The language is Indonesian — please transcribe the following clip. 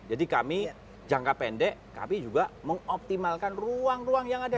jadi kami jangka pendek kami juga mengoptimalkan ruang ruang yang ada